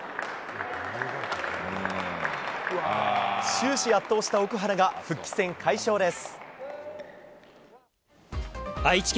終始圧倒した奥原が復帰戦快勝です。